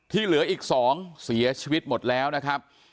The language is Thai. เหลืออีก๒เสียชีวิตหมดแล้วนะครับ